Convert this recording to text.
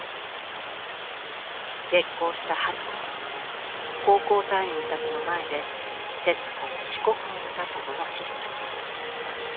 激高した春子は奉公隊員たちの前で節子を「非国民」だとののしります。